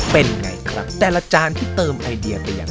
เป็นไงครับแต่ละจานที่เติมไอเดียไปยัง